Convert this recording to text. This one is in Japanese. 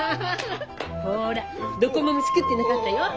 ほらどこも虫食ってなかったよ。